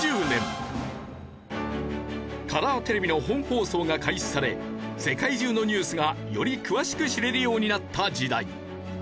カラーテレビの本放送が開始され世界中のニュースがより詳しく知れるようになった時代。